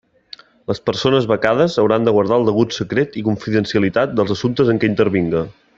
Les persones becades hauran de guardar el degut secret i confidencialitat dels assumptes en què intervinga.